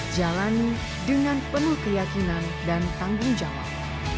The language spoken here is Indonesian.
jalani dengan penuh keyakinan dan tanggung jawab